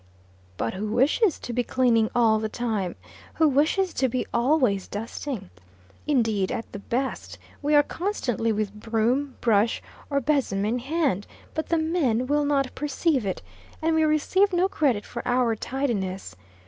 But who wishes to be cleaning all the time? Who wishes to be always dusting? Indeed, at the best, we are constantly with broom, brush, or besom in hand; but the men will not perceive it, and we receive no credit for our tidiness.